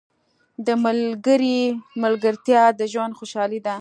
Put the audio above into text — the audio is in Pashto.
• د ملګري ملګرتیا د ژوند خوشحالي ده.